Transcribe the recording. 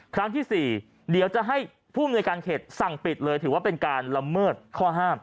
ครั้งที่๔เดี๋ยวจะให้ผู้อำนวยการเขตสั่งปิดเลยถือว่าเป็นการละเมิดข้อห้าม